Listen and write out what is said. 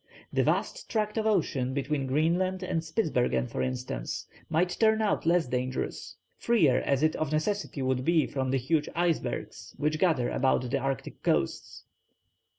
The vast tract of ocean between Greenland and Spitsbergen, for instance, might turn out less dangerous, freer as it of necessity would be from the huge icebergs which gather about the Arctic coasts.